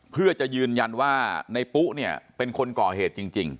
เพื่อจะยืนยันว่าในปุ๊เนี่ยเป็นคนก่อเหตุจริง